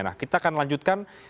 nah kita akan lanjutkan